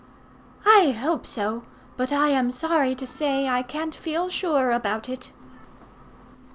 "I hope so; but I am sorry to say I can't feel sure about it."